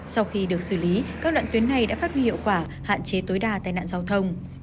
sau khi được xử lý các đoạn tuyến này đã phát huy hiệu quả hạn chế tối đa tai nạn giao thông